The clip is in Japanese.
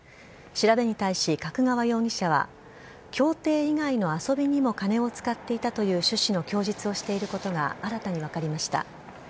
調べに対し角川容疑者は競艇以外の遊びにも、金を使っていたという趣旨の供述をしていることが新たに分かりました。